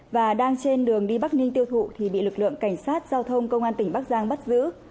và đang trên đường đi bắc ninh tiêu thụ thì bị lực lượng cảnh sát giao thông công an tỉnh bắc giang bắt giữ